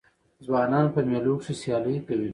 ځوانان په مېلو کښي سیالۍ کوي.